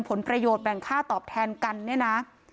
ผลประโยชน์แบ่งค่าตอบแทนกันเนี่ยนะ